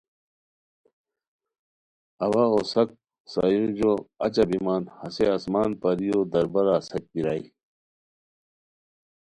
اوا اوساک سایورجو اچہ بیمان ہسے آسمان پریو دربارہ اساک بیرائے